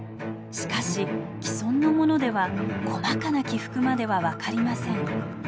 しかし既存のものでは細かな起伏までは分かりません。